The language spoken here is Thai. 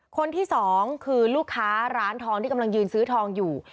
คนที่สองคือลูกค้าร้านทองที่กำลังยืนซื้อทองอยู่